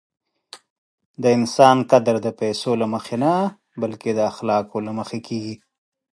د انسان قدر د پیسو له مخې نه، بلکې د اخلاقو له مخې کېږي.